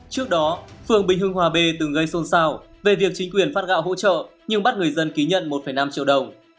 trước đó phường bình hương hòa b từng gây xôn xao về việc chính quyền phát gạo hỗ trợ nhưng bắt người dân ký nhận một năm triệu đồng